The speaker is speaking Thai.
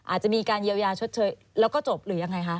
อาจจะมีการเยียวยาชดเชยแล้วก็จบหรือยังไงคะ